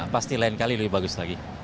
pasti lain kali lebih bagus lagi